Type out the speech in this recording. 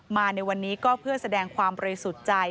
มาในวันนี้ก็เพื่อแสดงความบริสุทธิ์ใจ